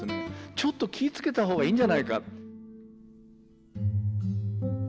ちょっと気をつけた方がいいんじゃないか。